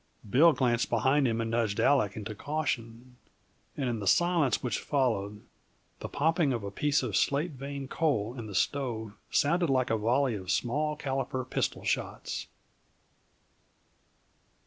Bill glanced behind him and nudged Aleck into caution, and in the silence which followed, the popping of a piece of slate veined coal in the stove sounded like a volley of small caliber pistol shots.